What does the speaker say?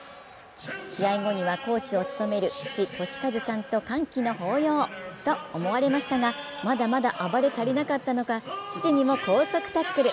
試合後にはコーチを務める父・俊一さんと歓喜の抱擁と思われましたがまだまだ暴れ足りなかったのか、父にも高速タックル。